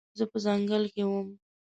زه په ځنګل کې وم